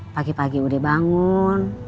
pagi pagi udah bangun